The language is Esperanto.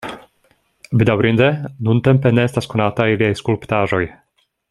Bedaŭrinde nuntempe ne estas konataj liaj skulptaĵoj.